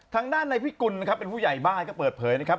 ทางด้านในพิกุลนะครับเป็นผู้ใหญ่บ้านก็เปิดเผยนะครับ